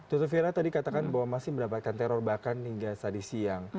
toto fira tadi katakan bahwa masih mendapatkan teror bahkan hingga saat di siang